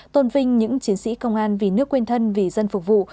tôn vinh những chiến sĩ công an vì nước quên thân vì dân phục vụ